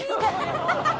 ハハハハ！